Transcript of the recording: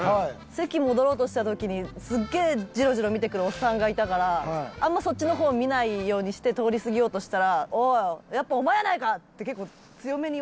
席戻ろうとした時にすげえジロジロ見てくるおっさんがいたからあんまりそっちの方見ないようにして通り過ぎようとしたら「おいやっぱお前やないか」って結構強めに言われたんですよ。